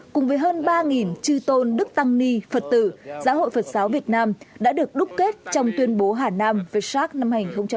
cùng với hơn ba trư tôn đức tăng ni phật tử giáo hội phật giáo việt nam đã được đúc kết trong tuyên bố hà nam về sát năm hai nghìn một mươi chín